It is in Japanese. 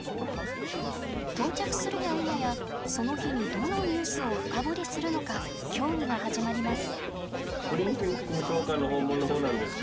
到着するやいなやその日にどのニュースを深掘りするのか協議が始まります。